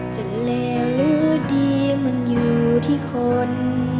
เลหรือดีมันอยู่ที่คน